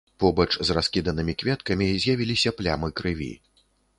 Побач з раскіданымі кветкамі з'явіліся плямы крыві.